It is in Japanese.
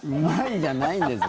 じゃないですよ。